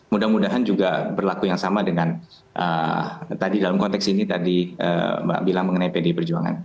mudah mudahan juga berlaku yang sama dengan tadi dalam konteks ini tadi mbak bilang mengenai pdi perjuangan